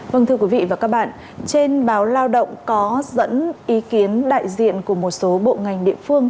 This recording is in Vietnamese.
vâng thưa quý vị và các bạn trên báo lao động có dẫn ý kiến đại diện của một số bộ ngành địa phương